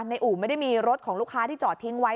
อู่ไม่ได้มีรถของลูกค้าที่จอดทิ้งไว้